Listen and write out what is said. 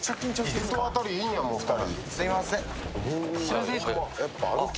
人当たりいいんやもん、２人。